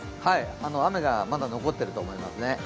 雨がまだ残っていると思いますね。